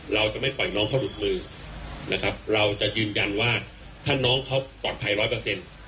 เราจะไม่ปล่อยน้องเขาหลุดมือนะครับเราจะยืนยันว่าถ้าน้องเขาปลอดภัยร้อยเปอร์เซ็นต์